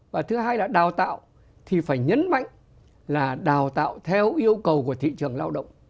và thứ hai là đào tạo thì phải nhấn mạnh là đào tạo theo yêu cầu của thị trường lao động